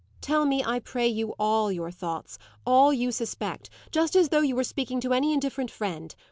"Tell me, I pray you, all your thoughts all you suspect: just as though you were speaking to any indifferent friend.